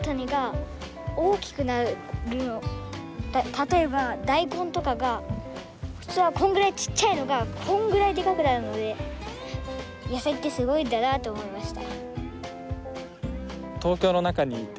例えば大根とかが普通はこんぐらいちっちゃいのがこんぐらいでかくなるので野菜ってすごいんだなと思いました。